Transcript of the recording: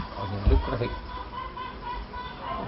có những lúc đó thì cũng phải